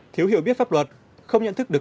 thiếu hiểu biết pháp luật không nhận thức được